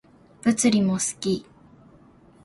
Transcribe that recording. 物理も好き